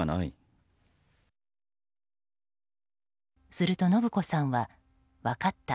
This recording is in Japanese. すると、延子さんは分かった。